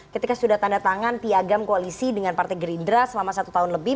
ketika sudah tanda tangan piagam koalisi dengan partai gerindra selama satu tahun lebih